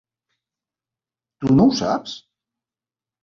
Tu no ho saps?